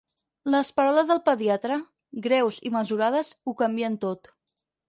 Les paraules del pediatre, greus i mesurades, ho canvien tot.